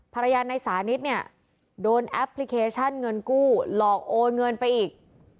ภรรยานายสานิทเนี่ยโดนแอปพลิเคชันเงินกู้หลอกโอนเงินไปอีก